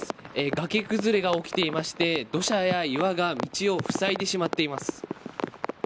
崖崩れが起きていまして土砂や岩が道をふさいでしまっています。